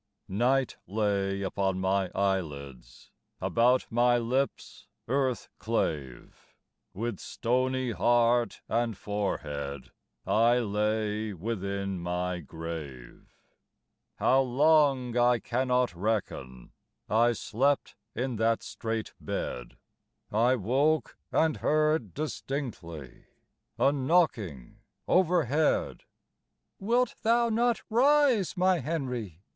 Night lay upon my eyelids, About my lips earth clave; With stony heart and forehead I lay within my grave. How long I cannot reckon, I slept in that strait bed; I woke and heard distinctly A knocking overhead. "Wilt thou not rise, my Henry?